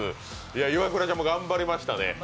イワクラちゃんも頑張りましたね。